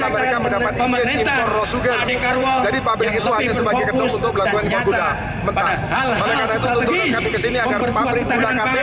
adik karwal yang lebih berfokus dan nyata